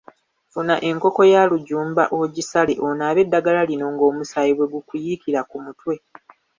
Funa enkoko ya lujumba ogisale onaabe eddagala lino ng'omusaayi bwe gukuyiikira mu mutwe.